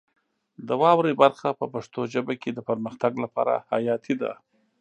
د واورئ برخه په پښتو ژبه کې د پرمختګ لپاره حیاتي ده.